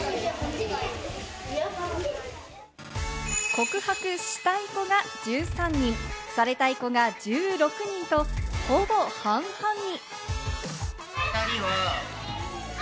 告白したい子が１３人、されたい子が１６人と、ほぼ半々に。